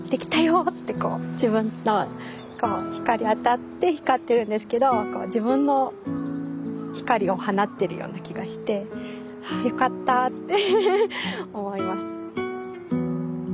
自分の光当たって光ってるんですけど自分の光を放ってるような気がしてはあよかったって思います。